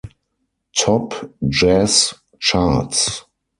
Top Jazz Charts.